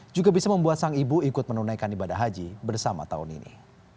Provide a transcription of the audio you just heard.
juga bisa membuat sang ibu ikut menunaikan ibadah haji bersama tahun ini